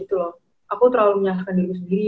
gitu loh aku terlalu menyaksikan diriku sendiri